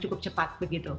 cukup cepat begitu